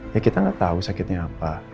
ya kita nggak tahu sakitnya apa